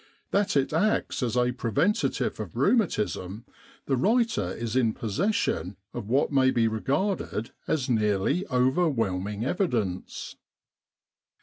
That it acts as a preventive of rheumatism, the writer is in possession of what may be regarded as nearly overwhelming evidence.